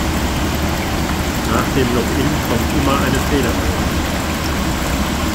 Nach dem Login kommt immer eine Fehlermeldung.